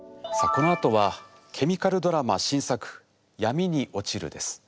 このあとはケミカルドラマ新作「闇に落ちる」です。